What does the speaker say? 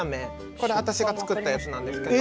これ私が作ったやつなんですけど。